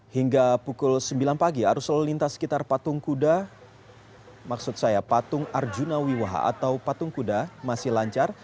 hingga pukul sembilan pagi arus lalu lintas sekitar patung kuda maksud saya patung arjuna wiwaha atau patung kuda masih lancar